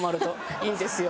いいんですよ。